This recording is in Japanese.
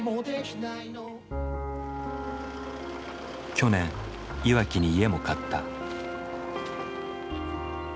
去年いわきに家も買った。